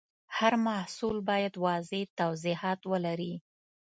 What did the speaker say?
هر محصول باید واضح توضیحات ولري.